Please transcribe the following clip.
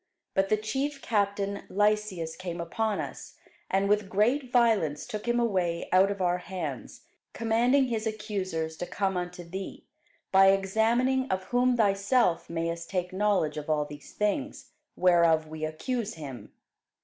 But the chief captain Lysias came upon us, and with great violence took him away out of our hands, commanding his accusers to come unto thee: by examining of whom thyself mayest take knowledge of all these things, whereof we accuse him.